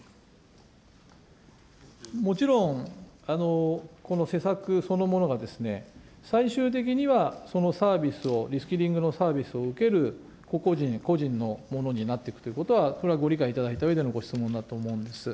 もちろん、この施策そのものが、最終的には、そのサービスを、リスキリングのサービスを受ける個々人、個人のものになっていくということは、これはご理解いただいたうえでのご質問だと思うんです。